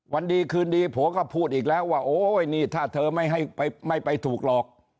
วันดีคืนดีผัวก็พูดอีกแล้วว่าโอ๊ยนี่ถ้าเธอไม่ให้ไม่ไปถูกหลอก